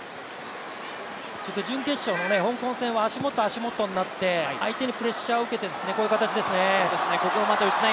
準決勝の香港戦は足元、足元になって、相手にプレッシャーを受けて、こういう形ですね。